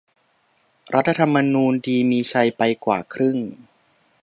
"รัฐธรรมนูญดี มีชัย ไปกว่าครึ่ง"